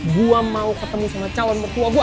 gue mau ketemu sama calon mertua gue